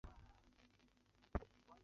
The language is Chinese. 钟吾被并入吴国。